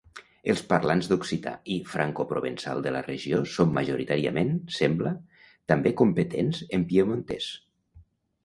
Els parlants d'occità i francoprovençal de la regió són majoritàriament, sembla, també competents en piemontès.